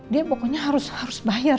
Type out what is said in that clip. dia pokoknya harus bayar